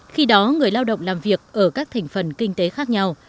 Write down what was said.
khi đó người lao động làm việc ở các thành phần kinh tế khác nhau